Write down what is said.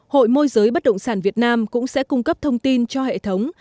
hội môi giới bất động sản việt nam cũng sẽ cung cấp thông tin cho hệ thống